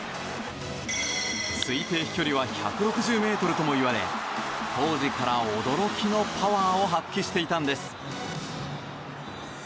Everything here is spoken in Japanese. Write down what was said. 推定飛距離は１６０ｍともいわれ当時から、驚きのパワーを発揮していたんです。